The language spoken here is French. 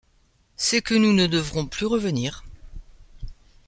C’est que nous ne devrons plus revenir !